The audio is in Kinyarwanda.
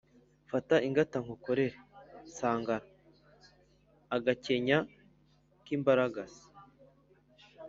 fata ingata ngukorere sangara.-agakenya k'imbaragasa.